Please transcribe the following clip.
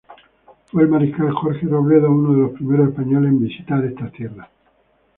Fue el mariscal Jorge Robledo uno de los primeros españoles en visitar estas tierras.